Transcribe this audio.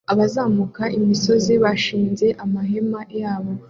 Abazamuka imisozi bashinze amahema yabo